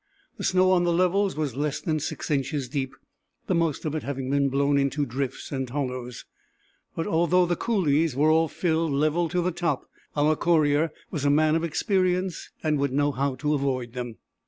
The snow on the levels was less than 6 inches deep, the most of it having been blown into drifts and hollows; but although the coulées were all filled level to the top, our courier was a man of experience and would know how to avoid them.